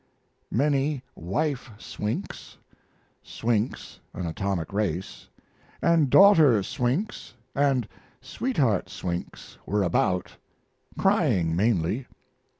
Many wife swinks ["Swinks," an atomic race] and daughter swinks and sweetheart swinks were about crying, mainly.